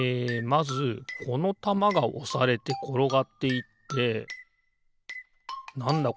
まずこのたまがおされてころがっていってなんだ？